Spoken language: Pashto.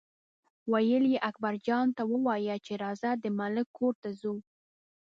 ویل یې اکبرجان ته ووایه چې راځه د ملک کور ته ځو.